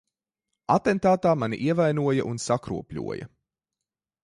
Atentātā mani ievainoja un sakropļoja.